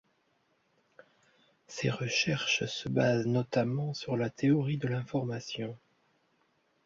Ses recherches se basent notamment sur la théorie de l'information.